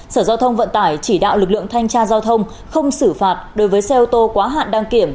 sở giao thông vận tải chỉ đạo lực lượng thanh tra giao thông không xử phạt đối với xe ô tô quá hạn đăng kiểm